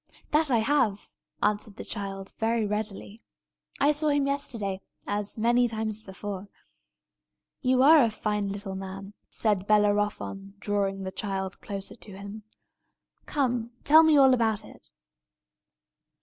"That I have," answered the child, very readily. "I saw him yesterday, and many times before." "You are a fine little man!" said Bellerophon, drawing the child closer to him. "Come, tell me all about it."